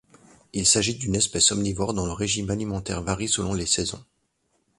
Il s'agit d'une espèce omnivore, dont le régime alimentaire varie selon les saisons.